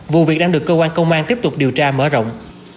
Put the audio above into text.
vụ việc đang được cơ quan công an tiếp tục điều tra mở rộng